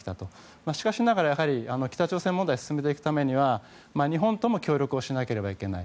しかし、北朝鮮問題を進めていくためには日本とも協力をしなければいけない。